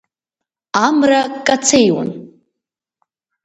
Амра кацеиуан.